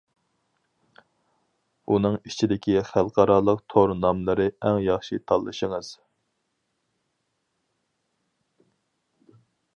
ئۇنىڭ ئىچىدىكى خەلقئارالىق تور ناملىرى ئەڭ ياخشى تاللىشىڭىز.